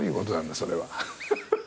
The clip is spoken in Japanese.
それは。